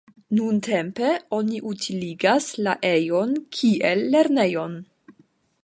Nuntempe oni utiligas la ejon kiel lernejon.